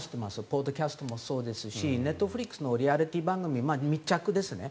ポッドキャストもそうですしネットフリックスのリアリティー番組密着ですよね。